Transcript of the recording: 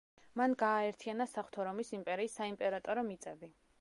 მან გააერთიანა საღვთო რომის იმპერიის საიმპერატორო მიწები.